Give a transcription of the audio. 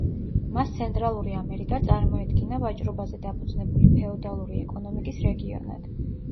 მას ცენტრალური ამერიკა წარმოედგინა ვაჭრობაზე დაფუძნებული ფეოდალური ეკონომიკის რეგიონად.